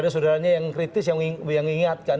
saudaranya yang kritis yang mengingatkan